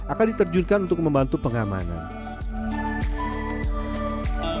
akan diterjunkan untuk membantu pengamanan